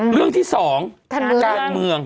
เรื่องที่๒การเมือง